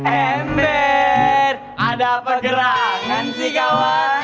ember ada pergerakan sih kawan